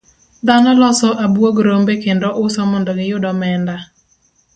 Dhano loso abuog rombe kendo uso mondo giyud omenda.